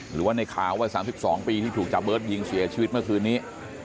หรือว่าในขาววัย๓๒ปีที่ถูกจาเบิร์ตยิงเสียชีวิตเมื่อคืนนี้